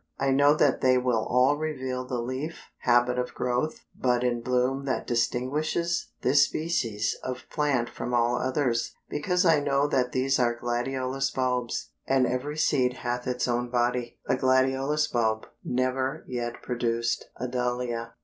I know that they will all reveal the leaf, habit of growth, bud and bloom that distinguishes this species of plant from all others, because I know that these are gladiolus bulbs, and every seed hath its own body. A gladiolus bulb never yet produced a dahlia.